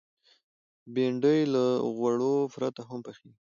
بېنډۍ له غوړو پرته هم پخېږي